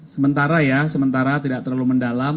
sementara ya sementara tidak terlalu mendalam